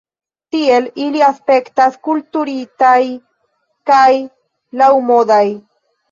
Tiel ili aspektas kulturitaj kaj laŭmodaj.